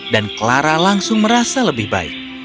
dan clara langsung merasa lebih baik